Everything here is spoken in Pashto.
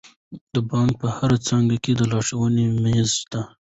د بانک په هره څانګه کې د لارښوونې میز شته.